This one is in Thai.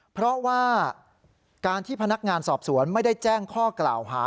เพราะว่าการที่พนักงานสอบสวนไม่ได้แจ้งข้อกล่าวหา